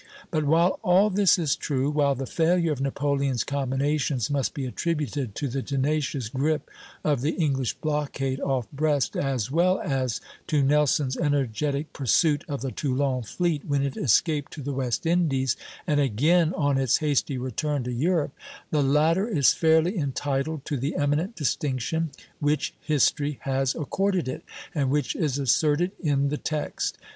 But while all this is true, while the failure of Napoleon's combinations must be attributed to the tenacious grip of the English blockade off Brest, as well as to Nelson's energetic pursuit of the Toulon fleet when it escaped to the West Indies and again on its hasty return to Europe, the latter is fairly entitled to the eminent distinction which history has accorded it, and which is asserted in the text.